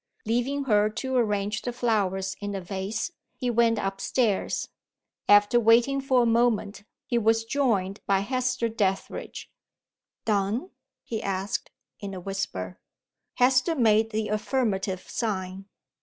Leaving her to arrange the flowers in the vase, he went up stairs. After waiting for a moment, he was joined by Hester Dethridge. "Done?" he asked, in a whisper. Hester made the affirmative sign.